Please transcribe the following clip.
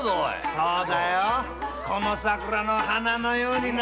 そうだよこの桜の花のようにな。